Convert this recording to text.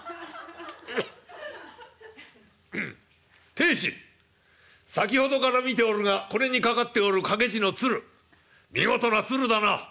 「亭主先ほどから見ておるがこれに掛かっておる掛け字の鶴見事な鶴だな」。